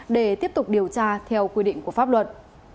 để tiếp tục điều tra theo quy định của pháp luật